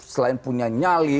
selain punya nyali